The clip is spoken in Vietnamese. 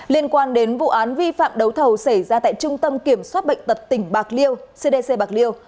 liên quan đến vụ án vi phạm đấu thầu xảy ra tại trung tâm kiểm soát bệnh tật tỉnh bạc liêu cdc bạc liêu